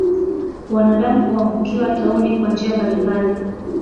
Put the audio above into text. Wanadamu huambukiwa tauni kwa njia mbalimbali